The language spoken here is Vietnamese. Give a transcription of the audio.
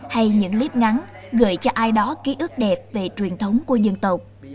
hay những clip ngắn gửi cho ai đó ký ức đẹp về truyền thống của dân tộc